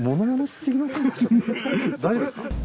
大丈夫ですか？